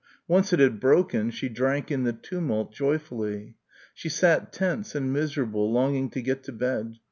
Once it had broken, she drank in the tumult joyfully. She sat tense and miserable longing to get to bed.